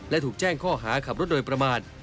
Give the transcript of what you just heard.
และถูกแจ้งข้อหาขับรถโดยประมาท